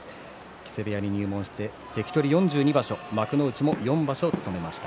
木瀬部屋に入門して関取４２場所幕内４場所、務めました。